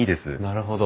なるほど。